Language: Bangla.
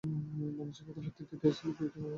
বাংলাদেশ বাদে প্রত্যেক টেস্ট দলের বিপক্ষে তারা খেলেছে।